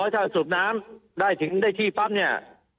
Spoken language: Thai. ถ้าสูบน้ำได้ถึงได้ที่ปั๊บเนี่ย